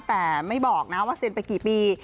แต่ไม่บอกนะว่าเซ็นไปกี่ปี